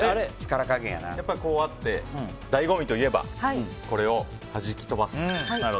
こうあって、醍醐味といえばこれを弾き飛ばす。